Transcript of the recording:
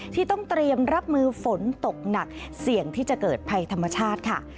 ที่ต้องเตรียมรับมือฝนตกหนักเสี่ยงที่จะเกิดภัยธรรมชาติค่ะ